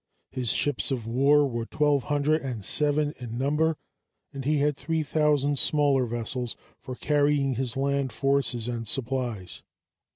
His ships of war were twelve hundred and seven in number, and he had three thousand smaller vessels for carrying his land forces and supplies.